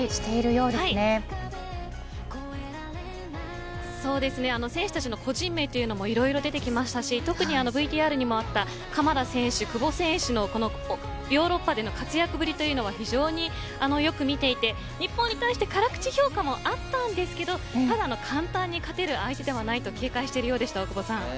そうですね、選手たちの個人名もいろいろ出てきましたし特にＶＴＲにもあった鎌田選手、久保選手のヨーロッパでの活躍ぶりというのは非常によく見ていて、日本に対して辛口評価もあったんですけど簡単に勝てる相手ではないと警戒しているようでした。